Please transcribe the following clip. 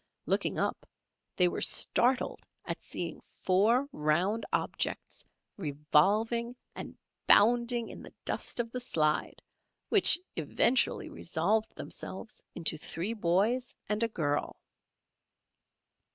Looking up, they were startled at seeing four round objects revolving and bounding in the dust of the slide, which eventually resolved themselves into three boys and a girl.